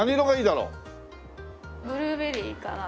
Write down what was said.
ブルーベリーから。